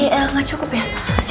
eh gak cukup ya